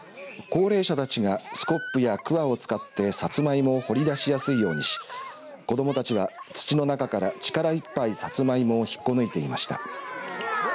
高齢者たちがスコップやくわを使ってさつまいもを掘り出しやすいようにし子どもたちは土の中から力一杯さつまいもを引っこ抜いていました。